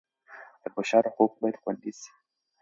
د بشر حقوق باید خوندي سي.